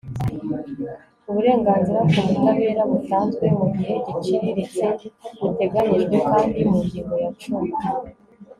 uburenganzira ku butabera butanzwe mu gihe giciriritse buteganyijwe kandi mu ngingo ya cumi